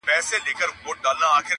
د غرمې پر مهال ږغ د نغارو سو.!